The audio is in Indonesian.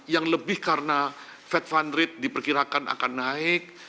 yang lebih karena fed fund rate diperkirakan akan naik